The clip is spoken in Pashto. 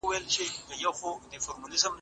فلسفې له ټولنپوهنې سره لويه مرسته وکړه.